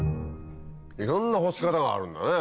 いろんな干し方があるんだね。